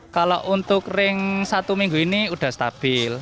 kalau untuk ring satu minggu ini sudah stabil